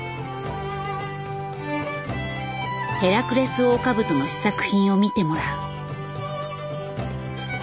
ヘラクレスオオカブトの試作品を見てもらう。